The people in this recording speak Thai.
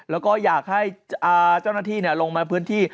แล้วก็อยากให้เจ้าหน้าที่ลงมาพื้นที่